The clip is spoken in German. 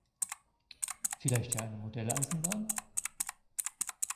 Vielleicht ja eine Modelleisenbahn?